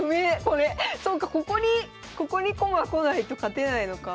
そうかここにここに駒来ないと勝てないのか。